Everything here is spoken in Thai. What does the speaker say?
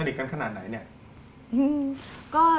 เด็กกันขนาดไหนเนี่ย